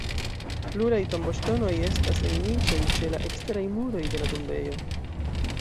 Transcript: Pluraj tomboŝtonoj estas en niĉoj ĉe la eksteraj muroj de la tombejo.